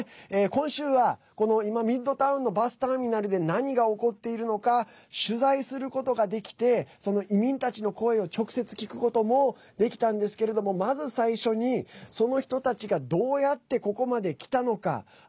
今週は、今ミッドタウンのバスターミナルで何が起こっているのか取材することができて移民たちの声を直接聞くこともできたんですけれどもまず最初に、その人たちがどうやって、ここまで来たのか。